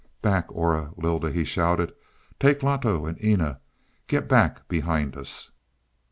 "Back Aura, Lylda," he shouted. "Take Loto and Eena. Get back behind us."